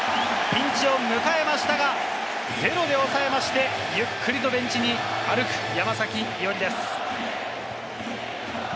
ピンチを迎えましたが、０で抑えまして、ゆっくりとベンチに歩く山崎伊織です。